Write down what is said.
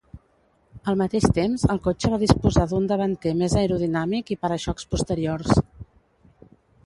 Al mateix temps, el cotxe va disposar d'un davanter més aerodinàmic i para-xocs posteriors.